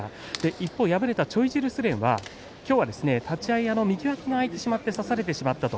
一方、敗れたチョイジルスレンは今日は立ち合いに右脇が空いてしまって差されてしまった。